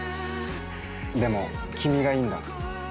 でも君がいいんだ。